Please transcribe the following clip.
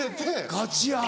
ガチや。